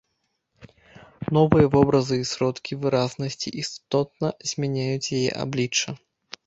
Новыя вобразы і сродкі выразнасці істотна змяняюць яе аблічча.